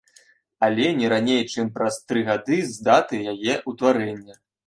Але не раней чым праз тры гады з даты яе ўтварэння.